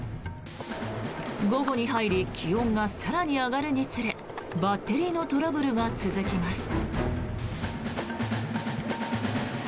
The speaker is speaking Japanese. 午後に入り気温が更に上がるにつれバッテリーのトラブルが続きます。